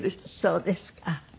そうですか。